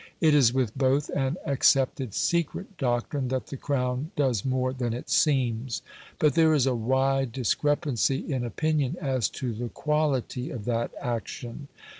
It is with both an accepted secret doctrine that the Crown does more than it seems. But there is a wide discrepancy in opinion as to the quality of that action.